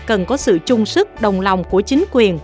cần có sự chung sức đồng lòng của chính quyền